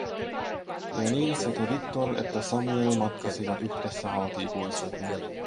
Ja niin sekä Victor että Samuel matkasivat yhdessä halki ikuisuuden.